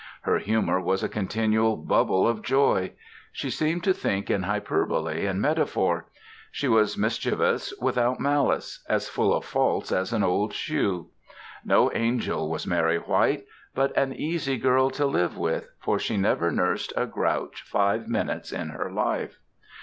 Her humor was a continual bubble of joy. She seemed to think in hyperbole and metaphor. She was mischievous without malice, as full of faults as an old shoe. No angel was Mary White, but an easy girl to live with, for she never nursed a grouch five minutes in her life.